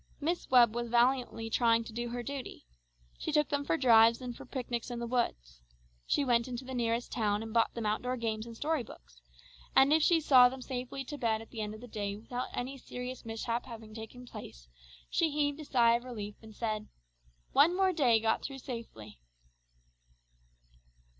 Miss Webb was valiantly trying to do her duty. She took them for drives and for picnics in the woods. She went into the nearest town and bought them outdoor games and story books; and if she saw them safely to bed at the end of the day without any serious mishap having taken place, she heaved a sigh of relief and said "One more day got through safely!"